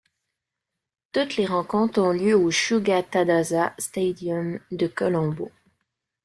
Toutes les rencontres ont lieu au Sugathadasa Stadium de Colombo.